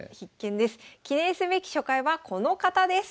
記念すべき初回はこの方です。